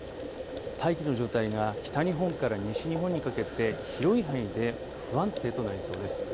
大気の状態が北日本から西日本にかけて広い範囲で不安定となりそうです。